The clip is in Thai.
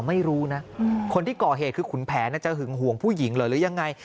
ไม่รู้นะคนที่ก่อเหตุคือขุนแผนจะหึงห่วงผู้หญิงเหรอหรือยังไง